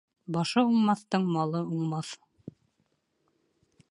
Башы уңмаҫтың малы уңмаҫ.